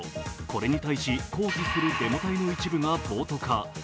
これに対し抗議するデモ隊の一部が暴徒化。